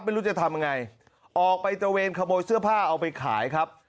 ไม่รู้จะทำยังไงออกไปตระเวนขโมยเสื้อผ้าเอาไปขายครับ